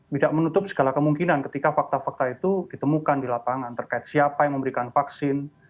tidak menutup segala kemungkinan ketika fakta fakta itu ditemukan di lapangan terkait siapa yang memberikan vaksin